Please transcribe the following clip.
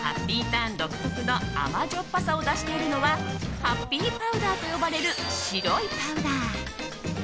ターン独特の甘じょっぱさを出しているのはハッピーパウダーと呼ばれる白いパウダー。